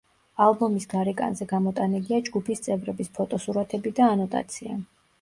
ალბომის გარეკანზე გამოტანილია ჯგუფის წევრების ფოტოსურათები და ანოტაცია.